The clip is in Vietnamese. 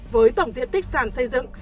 với tổng diện tích sản xây dựng